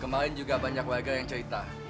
kemarin juga banyak warga yang cerita